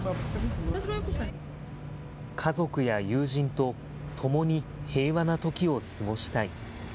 家族や友人と共に平和な時を過ごしたい。